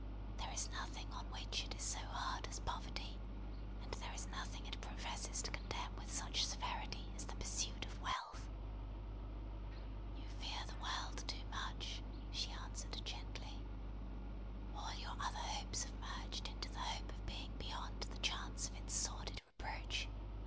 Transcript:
"There is nothing on which it is so hard as poverty; and there is nothing it professes to condemn with such severity as the pursuit of wealth!" "You fear the world too much," she answered, gently. "All your other hopes have merged into the hope of being beyond the chance of its sordid reproach.